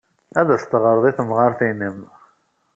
Ad as-teɣred i temɣart-nnem.